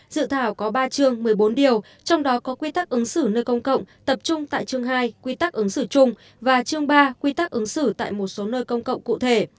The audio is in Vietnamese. dự thảo có ba chương một mươi bốn điều trong đó có quy tắc ứng xử nơi công cộng tập trung tại chương hai quy tắc ứng xử chung và chương ba quy tắc ứng xử tại một số nơi công cộng cụ thể